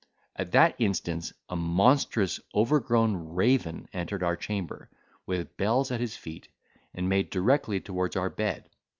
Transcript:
At that instance a monstrous overgrown raven entered our chamber, with bells at his feet, and made directly towards our bed.